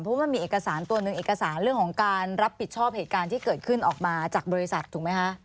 เพราะมันมีเอกสารตัวหนึ่งเอกสารเรื่องของการรับผิดชอบเหตุการณ์ที่เกิดขึ้นออกมาจากบริษัทถูกไหมคะ